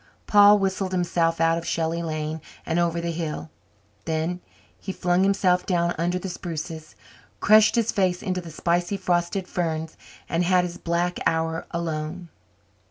Paul whistled himself out of the Shelley lane and over the hill. Then he flung himself down under the spruces, crushed his face into the spicy frosted ferns, and had his black hour alone.